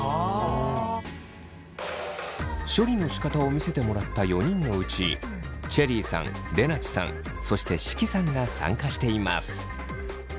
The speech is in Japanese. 処理のしかたを見せてもらった４人のうちチェリーさんれなちさんそして識さんが参加しています。